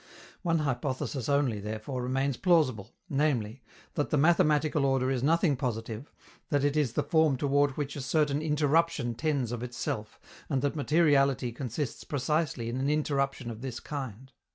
One hypothesis only, therefore, remains plausible, namely, that the mathematical order is nothing positive, that it is the form toward which a certain interruption tends of itself, and that materiality consists precisely in an interruption of this kind.